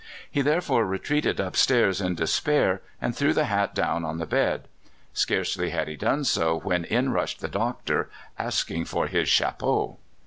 He therefore retreated upstairs in despair, and threw the hat down on the bed. Scarcely had he done so when in rushed the doctor, asking for his chapeau.